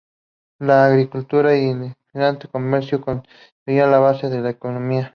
La agricultura y un incipiente comercio constituían la base de su economía.